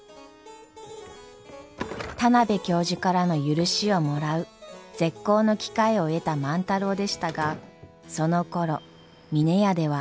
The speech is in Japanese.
田邊教授からの許しをもらう絶好の機会を得た万太郎でしたがそのころ峰屋では。